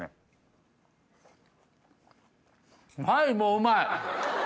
はいもううまい！